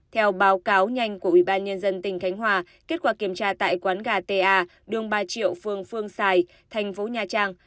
theo báo cáo nhanh của ủy ban nhân dân tỉnh khánh hòa kết quả kiểm tra tại quán gà ta đường ba triệu phương phương xài thành phố nha trang